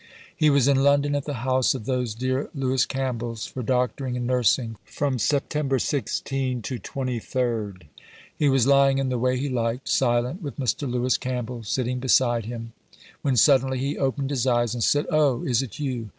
He was in London at the house of those dear Lewis Campbells for doctoring and nursing from September 16 to 23rd. He was lying in the way he liked silent, with Mr. Lewis Campbell sitting beside him when suddenly he opened his eyes and said, 'Oh, is it you?